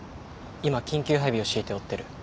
今緊急配備を敷いて追ってる。